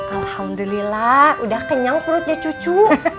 alhamdulillah udah kenyang perutnya cucu